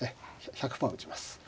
１００パー打ちます。